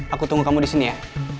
aku tunggu kamu disini ya